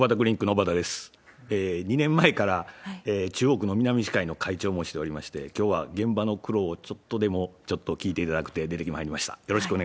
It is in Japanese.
２年前から中央区の南医師会の会長もしておりまして、きょうは現場の苦労をちょっとでも聞いていただきたくて参りました。